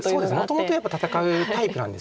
もともとやっぱり戦うタイプなんですよね。